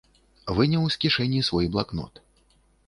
Выняў з кішэні свой блакнот.